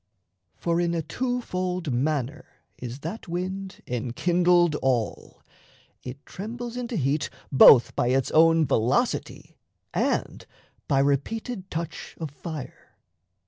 For in a two fold manner is that wind Enkindled all: it trembles into heat Both by its own velocity and by Repeated touch of fire.